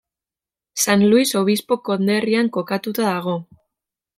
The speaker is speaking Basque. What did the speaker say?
San Luis Obispo konderrian kokatua dago.